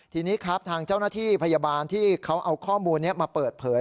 ทีนี้ครับทางเจ้าหน้าที่พยาบาลที่เขาเอาข้อมูลนี้มาเปิดเผย